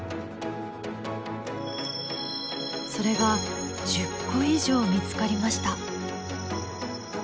それが１０個以上見つかりました。